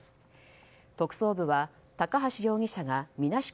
特捜部は、高橋容疑者がみなし